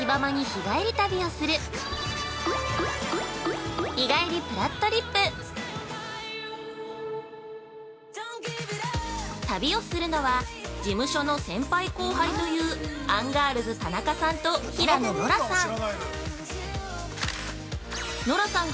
「日帰りぷらっとりっぷ」旅をするのは、事務所の先輩後輩というアンガールズ田中さんと平野ノラさん。